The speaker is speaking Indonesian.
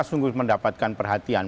sungguh mendapatkan perhatian